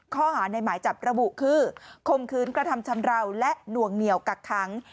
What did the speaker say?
ข้อหาในหมายจับระบุคือคมคืนกระทำชำราวและหน่วงเหนียวกักขัง